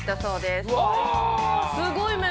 すごい！